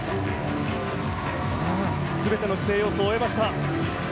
全ての規定要素を終えました。